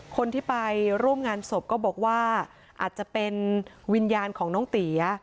คนที่ไปร่วมงานศพก็บอกว่าอาจจะเป็นวิญญาณของน้องเตี๋ย